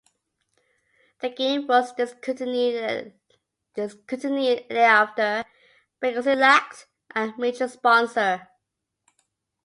The game was discontinued thereafter, because it lacked a major sponsor.